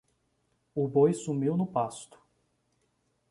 O boi sumiu no pasto